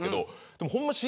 でもホンマ。